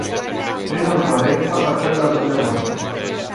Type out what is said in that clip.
Prin urmare fac apel la dvs.